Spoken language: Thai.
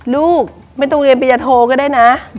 ลูกไม่ต้องเรียนปริญญาโทก็ได้นะ